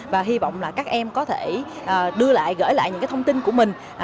và hy vọng là các em có thể đưa lại gửi lại những thông tin của mình